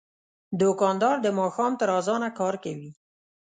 دوکاندار د ماښام تر اذانه کار کوي.